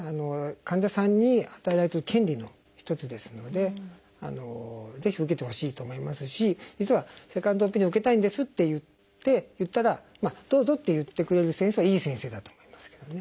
患者さんに与えられてる権利の一つですのでぜひ受けてほしいと思いますし実はセカンドオピニオンを受けたいんですって言ったらどうぞって言ってくれる先生はいい先生だと思いますけどね。